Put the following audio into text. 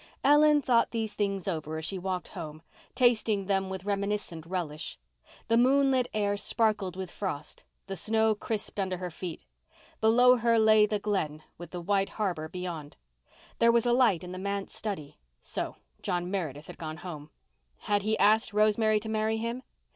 Ellen thought these things over as she walked home, tasting them with reminiscent relish. The moonlit air sparkled with frost. The snow crisped under her feet. Below her lay the Glen with the white harbour beyond. There was a light in the manse study. So John Meredith had gone home. Had he asked Rosemary to marry him?